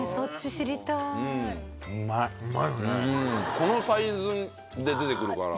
このサイズで出てくるから。